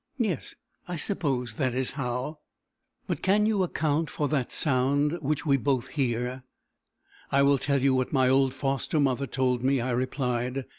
"Yes. I suppose that is how." "But can you account for that sound which we both hear?" "I will tell you what my old foster mother told me," I replied.